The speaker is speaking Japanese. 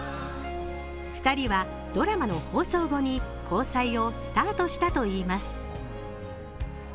２人は、ドラマの放送後に交際をスタートしたといいます。